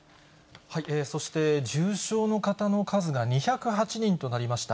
そして、重症の方の数が２０８人となりました。